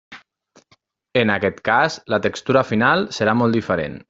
En aquest cas la textura final serà molt diferent.